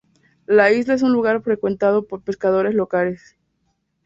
La isla es un lugar frecuentado por pescadores locales.